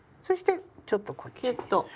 そしてちょっとこっちに。